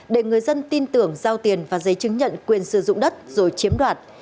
để người dân tin tưởng giao tiền và giấy chứng nhận quyền sử dụng đất rồi chiếm đoạt